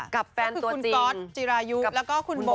กับแฟนตัวจริงก็คือคุณก๊อตจิรายุแล้วก็คุณโบ